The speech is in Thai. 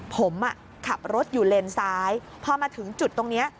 ผมขับรถอยู่เลนซ้ายพอมาถึงจุดตรงนี้